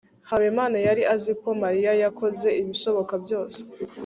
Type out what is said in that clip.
habimana yari azi ko mariya yakoze ibishoboka byose